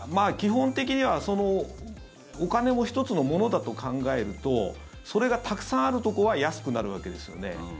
基本的にはお金も１つのものだと考えるとそれがたくさんあるところは安くなるわけですよね。